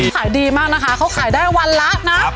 ขายดีมากนะคะเขาขายได้วันละนะ